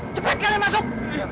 cepet kalian masuk